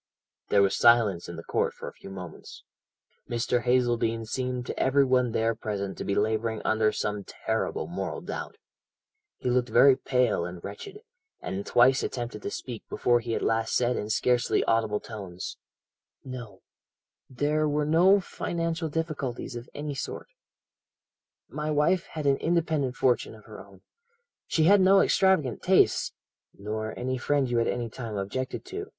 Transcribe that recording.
"There was silence in the court for a few moments. Mr. Hazeldene seemed to every one there present to be labouring under some terrible moral doubt. He looked very pale and wretched, and twice attempted to speak before he at last said in scarcely audible tones: "'No; there were no financial difficulties of any sort. My wife had an independent fortune of her own she had no extravagant tastes ' "'Nor any friend you at any time objected to?'